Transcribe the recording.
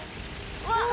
うわっ！